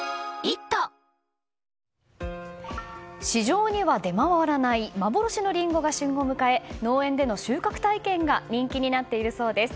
市場には出回らない幻のリンゴが旬を迎え農園での収穫体験が人気になっているそうです。